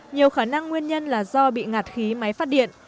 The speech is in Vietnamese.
nhiều khả năng nguyên nhân là do bị ngạt khí máy phát điện